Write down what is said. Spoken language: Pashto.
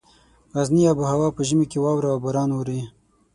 غرني آب هوا په ژمي کې واوره او باران اوري.